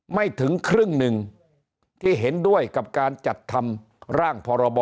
ไม่ถึงครึ่งหนึ่งที่เห็นด้วยกับการจัดทำร่างพรบ